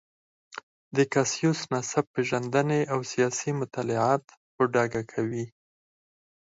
د کاسیوس نسب پېژندنې او سیاسي مطالعات په ډاګه کوي.